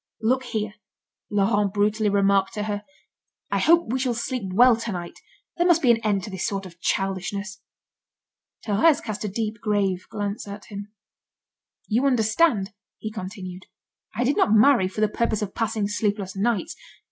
"Look here," Laurent brutally remarked to her, "I hope we shall sleep well to night! There must be an end to this sort of childishness." Thérèse cast a deep, grave glance at him. "You understand," he continued. "I did not marry for the purpose of passing sleepless nights.